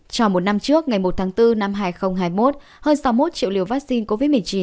cho một năm trước ngày một tháng bốn năm hai nghìn hai mươi một hơn sáu mươi một triệu liều vaccine covid một mươi chín